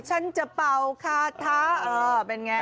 ฉันจะเป่าคาถะเป็นไง